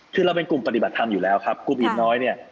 คือเราเป็นกลุ่มปฏิบัติธรรมอยู่แล้วครับกลุ่มอิ่มน้อยเนี่ย